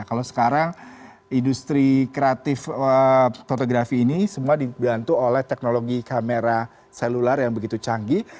kalau sekarang industri kreatif fotografi ini semua dibantu oleh teknologi kamera selular yang begitu canggih